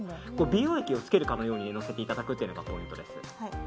美容液をつけるかのようにのせていただくのがポイントです。